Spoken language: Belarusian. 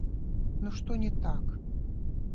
Ну, што не так?